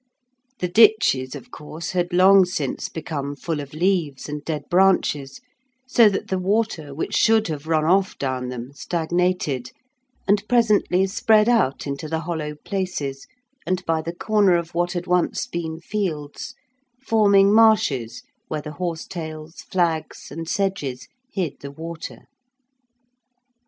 The ditches, of course, had long since become full of leaves and dead branches, so that the water which should have run off down them stagnated, and presently spread out into the hollow places and by the corner of what had once been fields, forming marshes where the horsetails, flags, and sedges hid the water.